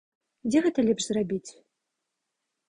Дзе гэта лепш зрабіць?